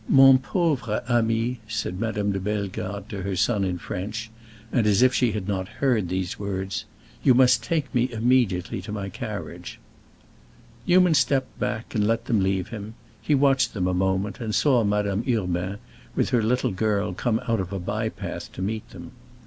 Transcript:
"Mon pauvre ami," said Madame de Bellegarde to her son in French, and as if she had not heard these words, "you must take me immediately to my carriage." Newman stepped back and let them leave him; he watched them a moment and saw Madame Urbain, with her little girl, come out of a by path to meet them.